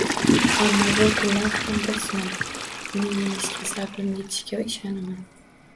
Ammo bu kunlar ham bir sinov, uni engishga sabrim etishiga ishonaman